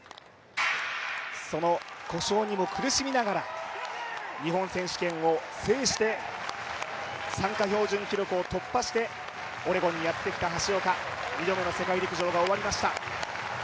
その故障にも苦しみながら日本選手権を制して参加標準記録を突破してオレゴンにやって来た橋岡、２度目の世界陸上が終わりました。